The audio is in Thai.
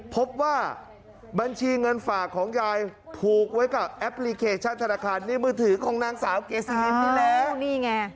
พบว่าบัญชีเงินฝากของยายผูกไว้กับแอปพลิเคชันธนาคารนี่มือถือของนางสาวเกซิมินที่แล้วนี่ไง